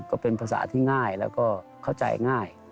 ก็เป็นภาษาที่ง่ายแล้วก็เข้าใจง่าย